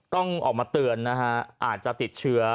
ต้องออกมาเตือนนะฮะอาจจะติดเชื้อ